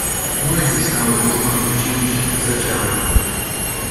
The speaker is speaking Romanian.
Nu existau în urmă cu cinci-zece ani.